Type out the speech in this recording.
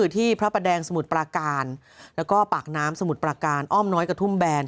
ที่พระดแดงสมุทรปลาการและปากน้ำสมุทรปลาการอ้อมน้อยกระทุ่มแบรนด์